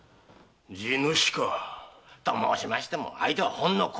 地主か？と申しましても相手はほんの子供です。